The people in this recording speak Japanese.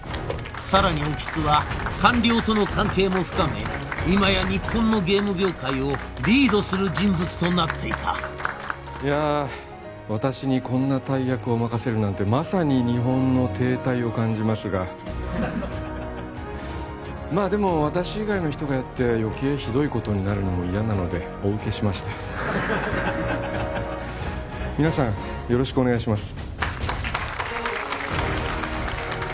さらに興津は官僚との関係も深め今や日本のゲーム業界をリードする人物となっていたいやあ私にこんな大役を任せるなんてまさに日本の停滞を感じますがまあでも私以外の人がやって余計ひどいことになるのも嫌なのでお受けしました皆さんよろしくお願いします